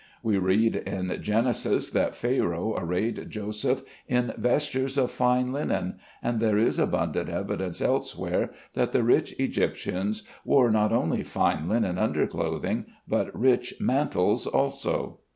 We read in Genesis, that Pharaoh arrayed Joseph in vestures of fine linen, and there is abundant evidence elsewhere that the rich Egyptians wore not only fine linen under clothing, but rich mantles also.